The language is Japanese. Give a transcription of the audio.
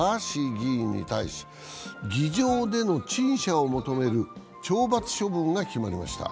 議員に対し、議場での陳謝を求める懲罰処分が決まりました。